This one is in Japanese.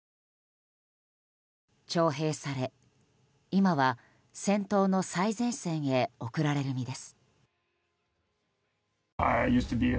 徴兵され、今は戦闘の最前線へ送られる身です。